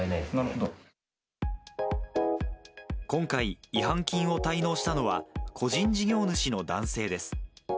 今回、違反金を滞納したのは、個人事業主の男性です。